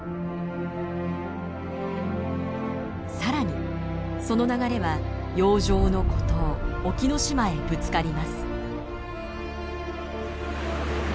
さらにその流れは洋上の孤島沖ノ島へぶつかります。